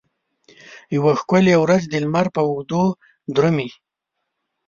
یوه ښکلې ورځ د لمر په اوږو درومې